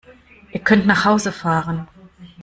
Ihr könnt nach Hause fahren!